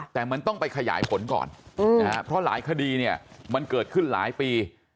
แต่มันต้องไปขยายผลก่อนเพราะหลายคดีเนี่ยมันเกิดขึ้นหลายปี